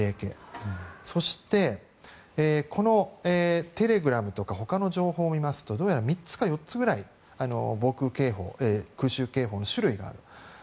そしてテレグラムとか他の情報を見ますとどうやら３つか４つくらい空襲警報の種類がある。